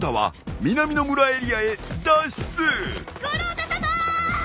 五郎太さまー！